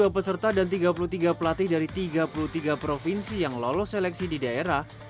dua puluh peserta dan tiga puluh tiga pelatih dari tiga puluh tiga provinsi yang lolos seleksi di daerah